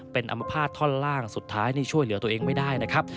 เป็นอมภาษณท่อนล่างสุดท้ายนี่ช่วยเหลือตัวเองไม่ได้นะครับ